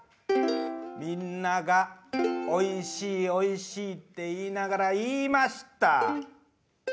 みんながおいしい、おいしいって言いながら言いました。